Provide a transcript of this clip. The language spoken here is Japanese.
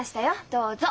どうぞ。